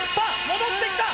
戻ってきた！